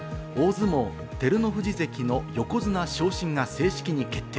大相撲・照ノ富士関の横綱昇進が正式に決定。